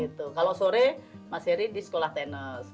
gitu kalau sore mas eri di sekolah tenis